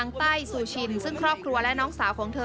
ไต้ซูชินซึ่งครอบครัวและน้องสาวของเธอ